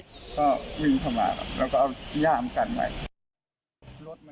ก็วิ่งเข้ามาแล้วก็เอาย่ามกันไว้